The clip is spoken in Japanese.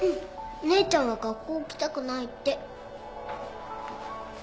お姉ちゃんは学校来たくないって。